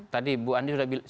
tadi bu andi sudah